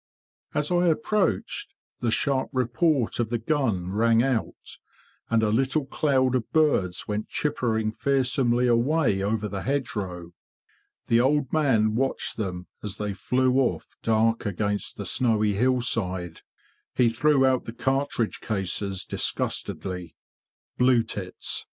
As I approached, the sharp report of the gun rang out, and a little cloud of birds went chippering fearsomely away over the hedgerow. The old man watched them as they flew off dark against the snowy hillside. He threw out the cartridge cases disgustedly. '* Blue tits!